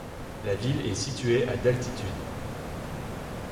La ville est située à d'altitude.